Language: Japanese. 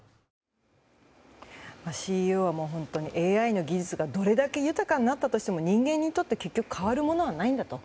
ＣＥＯもＡＩの技術がどれだけ豊かになったとしても人間にとって結局変わるものはないんだと。